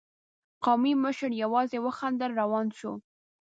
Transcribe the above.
قومي مشر يواځې وخندل، روان شو.